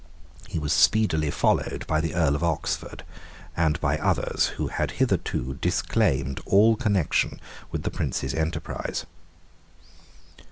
He was speedily followed by the Earl of Oxford, and by others who had hitherto disclaimed all connection with the Prince's enterprise.